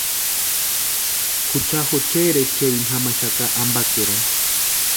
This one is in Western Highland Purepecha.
Jucha jocheri echerini jamaxaka ampakerani.